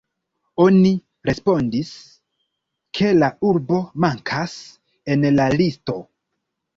Oni respondis, ke la urbo mankas en la listo.